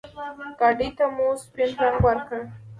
ګاډي ته مو سپين رنګ ورکړ.